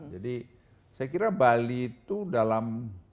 jadi saya kira bali itu dalam